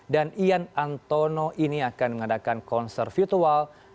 dan ian antono ini akan mengadakan konser virtual